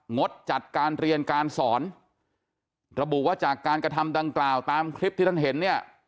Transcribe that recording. งดจัดการเรียนการสอนระบุว่าจากการกระทำดังกล่าวตามคลิปที่ท่านเห็นเนี่ย